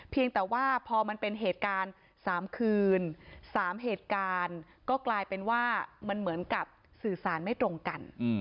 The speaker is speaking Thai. เพียงแต่ว่าพอมันเป็นเหตุการณ์๓คืน๓เหตุการณ์ก็กลายเป็นว่ามันเหมือนกับสื่อสารไม่ตรงกัน